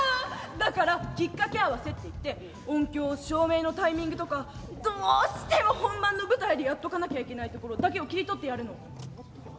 だからきっかけ合わせっていって音響照明のタイミングとかどうしても本番の舞台でやっとかなきゃいけないところだけを切り取ってやるの。